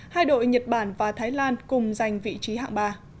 hai đội nhật bản và thái lan cùng giành vị trí hạng ba